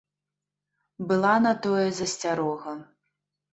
Была на тое засцярога.